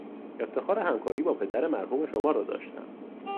افتخار همکاری با پدر مرحوم شما را داشتم.